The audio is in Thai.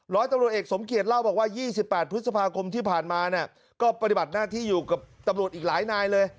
ร้อยตำรวจเอกสมเกียจเล่าบอกว่า๒๘พฤษภาคมที่ผ่านมาเนี่ยก็ปฏิบัติหน้าที่อยู่กับตำรวจอีกหลายนายเลย